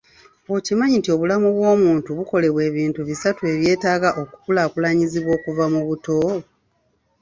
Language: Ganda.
Okimanyi nti obulamu bw'omuntu bukolebwa ebintu bisatu ebyetaaga okukulakulanyizibwa okuva mu buto?